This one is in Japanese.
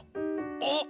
あっ！